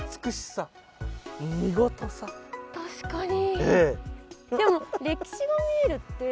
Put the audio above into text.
確かに。